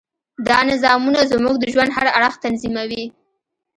دا نظامونه زموږ د ژوند هر اړخ تنظیموي.